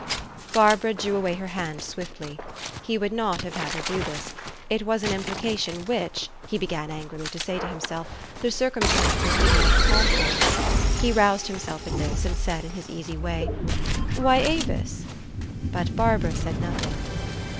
Barbara drew away her hand swiftly. He would not have had her do this : it was an implication which, he began angrily to say to himself,, the cir cumstances did not call for. He roused himself at this, and said in his easy way, " Why, Avis!" But Barbara said nothing.